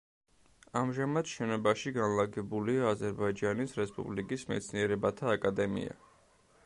ამჟამად შენობაში განლაგებულია აზერბაიჯანის რესპუბლიკის მეცნიერებათა აკადემია.